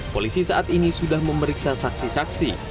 polisi saat ini sudah memeriksa saksi saksi